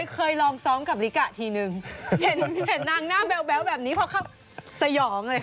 เคยลองซ้อมกับลิกะทีนึงเห็นนางหน้าแบ๊วแบบนี้เพราะเขาสยองเลย